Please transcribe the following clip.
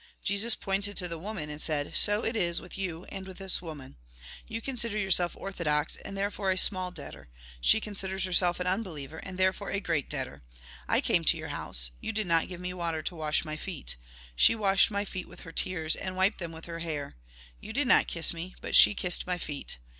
Jesus pointed to the woman, and said :" So it is with you and this woman. You consider yourself orthodox, and therefore a small debtor ; she considers herself an unbeliever, and therefore a great debtor. I came to your house ; you did not give me water to wash my feet. She washed my feet with her tears, and wiped them with her hair. You did not kiss me, but she kissed my feet.